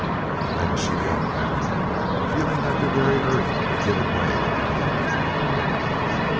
Then she walked out, feeling that the very earth had given way beneath her.